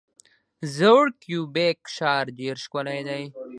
زوړ کیوبیک ښار ډیر ښکلی دی.